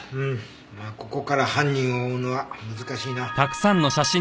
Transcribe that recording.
ここから犯人を追うのは難しいな。